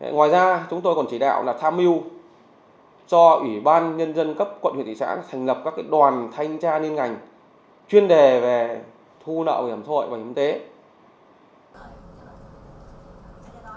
ngoài ra chúng tôi còn chỉ đạo là tham mưu cho ủy ban nhân dân cấp quận huyện thị xã thành lập các đoàn thanh tra liên ngành chuyên đề về thu nợ bảo hiểm xã hội bảo hiểm y tế